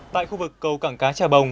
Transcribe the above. tại khu vực cầu cảng cá trà bồng